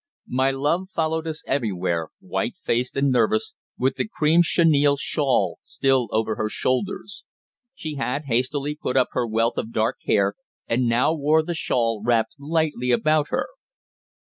My love followed us everywhere, white faced and nervous, with the cream chenille shawl still over her shoulders. She had hastily put up her wealth of dark hair, and now wore the shawl wrapped lightly about her.